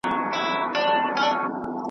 نه ټګي د مولویانو نه بدمرغه واسکټونه .